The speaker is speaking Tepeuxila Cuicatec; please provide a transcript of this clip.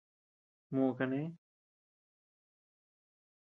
Muʼu kané.